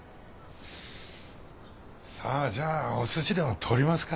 さあじゃあおすしでも取りますか。